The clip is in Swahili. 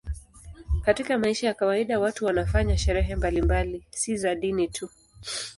Katika maisha ya kawaida watu wanafanya sherehe mbalimbali, si za dini tu.